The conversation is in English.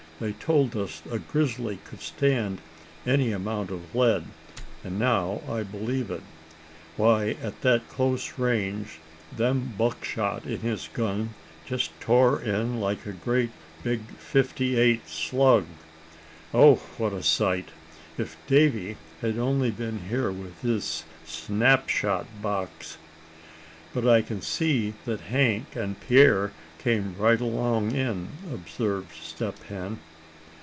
They told us a grizzly could stand any amount of lead, and now I believe it. Why, at that close range, them buckshot in his gun just tore in like a great big fifty eight slug. Oh! what a sight, if Davy had only been here with his snapshot box." "But I can see that Hank and Pierre came right along in," observed Step Hen.